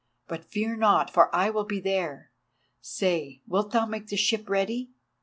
But fear not, for I will be there. Say, wilt thou make the ship ready?"